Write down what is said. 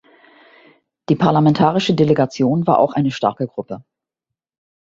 Die parlamentarische Delegation war auch eine starke Gruppe.